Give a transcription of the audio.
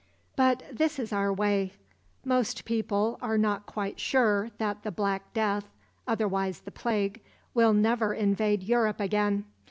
But this is our way. Most people are quite sure that the Black Death—otherwise the Plague—will never invade Europe again.